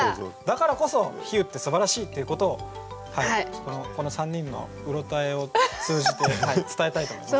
だからこそ比喩ってすばらしいっていうことをこの３人のうろたえを通じて伝えたいと思います。